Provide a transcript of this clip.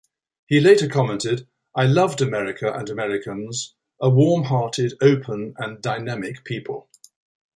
He later commented: I loved America and Americans, a warm-hearted, open and dynamic people.